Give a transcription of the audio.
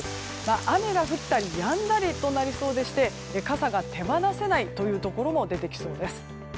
雨が降ったりやんだりとなりそうでして傘が手放せないところも出てきそうです。